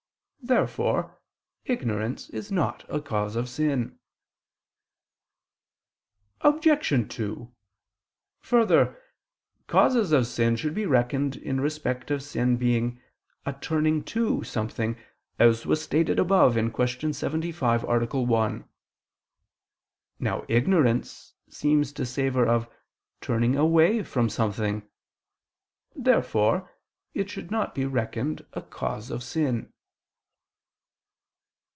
Therefore ignorance is not a cause of sin. Obj. 2: Further, causes of sin should be reckoned in respect of sin being a turning to something, as was stated above (Q. 75, A. 1). Now ignorance seems to savor of turning away from something. Therefore it should not be reckoned a cause of sin.